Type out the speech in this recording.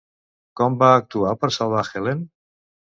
Com va actuar per salvar Helen?